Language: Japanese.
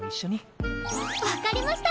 わかりました！